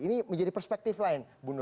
ini menjadi perspektif lain